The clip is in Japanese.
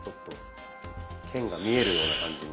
剣が見えるような感じに。